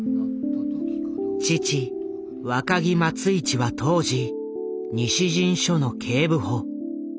父・若木松一は当時西陣署の警部補。